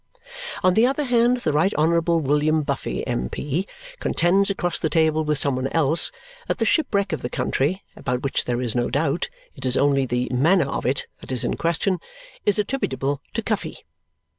On the other hand, the Right Honourable William Buffy, M.P., contends across the table with some one else that the shipwreck of the country about which there is no doubt; it is only the manner of it that is in question is attributable to Cuffy.